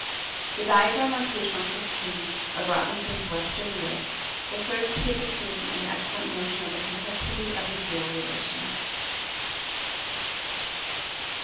The diagram on page 115 of Robinson's "Western Europe" will serve to give the student an excellent notion of the complexity of the feudal relation.